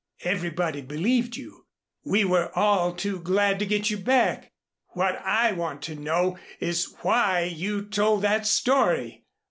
Everybody believed you. We were all too glad to get you back. What I want to know is why you told that story?